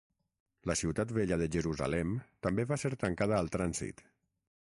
La ciutat vella de Jerusalem també va ser tancada al trànsit.